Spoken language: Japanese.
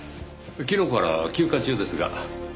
昨日から休暇中ですが。